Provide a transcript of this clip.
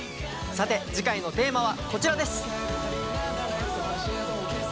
さて次回のテーマはこちらです。